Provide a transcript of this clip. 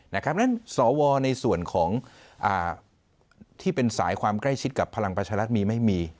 เพราะฉะนั้นสวในส่วนของที่เป็นสายความใกล้ชิดกับพลังประชารัฐมีไม่มี